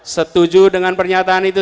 setuju dengan pernyataan itu